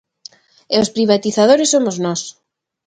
¡E os privatizadores somos nós!